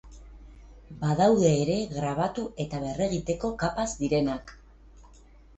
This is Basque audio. Badaude ere grabatu eta berregiteko kapaz direnak.